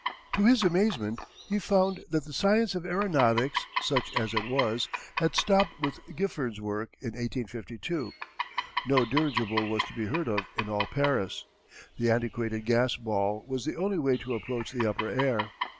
To his amazement he found that the science of aeronautics, such as it was, had stopped with Giffard's work in 1852. No dirigible was to be heard of in all Paris. The antiquated gas ball was the only way to approach the upper air.